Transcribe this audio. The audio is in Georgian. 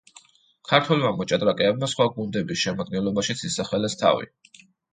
ქართველმა მოჭადრაკეებმა სხვა გუნდების შემადგენლობაშიც ისახელეს თავი.